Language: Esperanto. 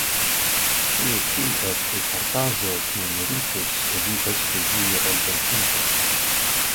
Tio ĉi estus artaĵo, kiu meritus, ke vi estu ĝia elpensinto.